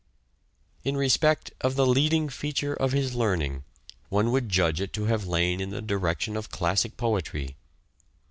In respect of the leading feature of his learning one would judge it to have lain in the direction of classic poetry.